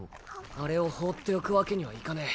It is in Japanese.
あれを放っておくわけにはいかねぇ。